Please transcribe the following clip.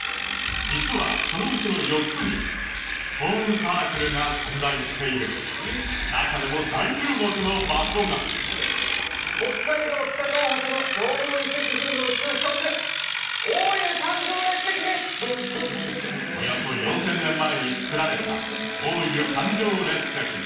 実はそのうちの４つにが存在している中でも大注目の場所が北海道北東北の縄文遺跡群のうちの一つおよそ４０００年前につくられた大湯環状列石